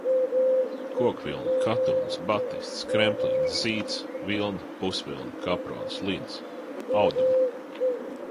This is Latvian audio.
Kokvilna, katūns, batists, kremplīns, zīds, vilna, pusvilna, kaprons, lins - audumi.